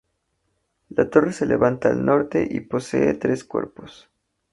La torre se levanta al norte y posee tres cuerpos.